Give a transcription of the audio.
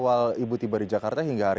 kami sudah melakukan pengumuman di rumah